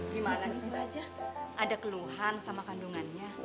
gimana nih bu haja ada keluhan sama kandungannya